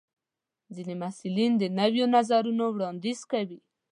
ځینې محصلین د نویو نظرونو وړاندیز کوي.